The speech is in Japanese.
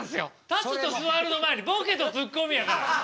「立つ」と「座る」の前に「ボケ」と「ツッコミ」やから！